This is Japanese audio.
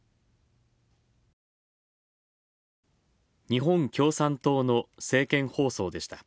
日本共産党の政見放送でした。